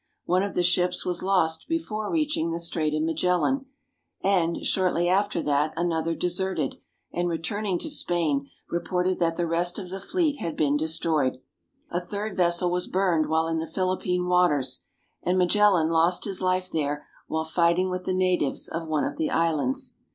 One of the ships was lost before reaching the Strait of Magellan ; and, shortly after II 12 INTRODUCTION that, another deserted, and returning to Spain, reported that the rest of the fleet had been destroyed. A third vessel was burned while in the Philippine waters, and Magellan lost his life there while fighting with the natives of one of the islands.